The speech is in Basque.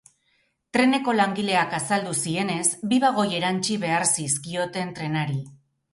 Treneko langileak azaldu zienez, bi bagoi erantsi behar zizkioten trenari.